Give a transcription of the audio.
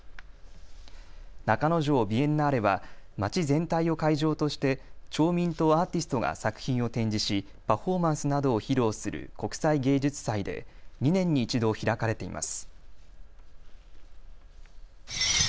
中之条ビエンナーレは町全体を会場として町民とアーティストが作品を展示し、パフォーマンスなどを披露する国際芸術祭で２年に１度、開かれています。